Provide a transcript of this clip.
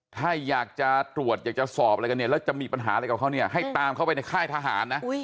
ถ้าอยากจะตรวจอยากจะสอบอะไรกันเนี่ยแล้วจะมีปัญหาอะไรกับเขาเนี่ยให้ตามเข้าไปในค่ายทหารนะ